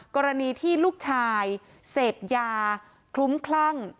กรณีที่ลูกชายเสพยาคลุ้มคลั่ง